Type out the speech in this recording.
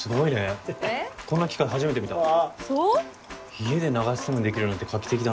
家で流しそうめんできるなんて画期的だな。